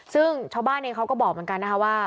ซึ่งชาวบ้านเองเขาก็บอกเหมือนกันนะคะว่า